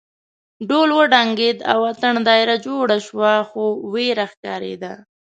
ډول وډنګېد او اتڼ دایره جوړه شوه خو وېره ښکارېده.